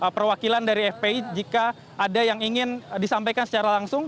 perwakilan dari fpi jika ada yang ingin disampaikan secara langsung